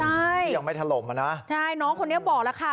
ใช่ที่ยังไม่ถล่มอ่ะนะใช่น้องคนนี้บอกแล้วค่ะ